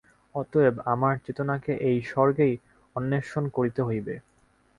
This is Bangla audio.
অতএব আমার চেতনাকে এই স্বর্গেই অন্বেষণ করিতে হইবে।